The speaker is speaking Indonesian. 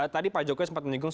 tadi pak jokowi sempat menyinggung